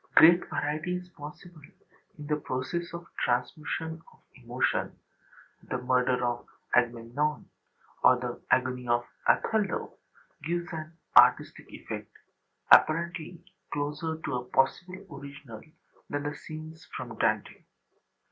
Great variety is possible in the process of transmution of emotion: the murder of Agamemnon, or the agony of Othello, gives an artistic effect apparently closer to a possible original than the scenes from Dante.